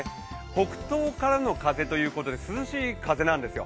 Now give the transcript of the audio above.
北東からの風ということで、涼しい風なんですよ。